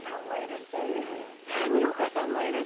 波岡さんもいるし。